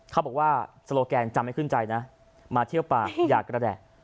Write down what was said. เขาบอกว่าโซโลแกนจำไม่ขึ้นใจนะมาเที่ยวป่าอย่ากระแดก